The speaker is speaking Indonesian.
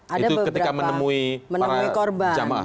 itu ketika menemui para jamaah